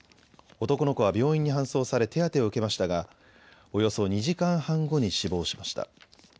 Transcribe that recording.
男の子は病院に搬送され手当てを受けましたがおよそ２時間半後に死亡しました。